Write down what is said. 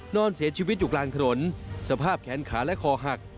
นอนเสียชีวิตอยู่กลางถนนสภาพแขนขาและคอหัก